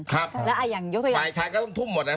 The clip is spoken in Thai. ครับฝ่ายชายก็ต้องทุ่มหมดเนี่ย